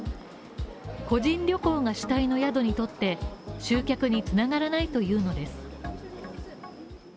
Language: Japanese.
個人旅行が主体の宿にとって、集客に繋がらないというのです。